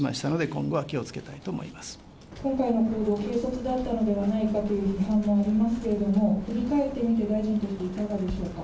今回、軽率だったのではないかという批判もありますけれども、振り返ってみて、大臣としていかがでしょうか。